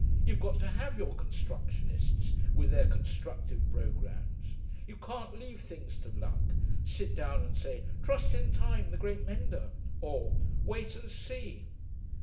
You've got to have your constructionists, with their constructive programmes; you can't leave things to luck, sit down and say 'Trust in Time, the great mender,' or 'Wait and see.'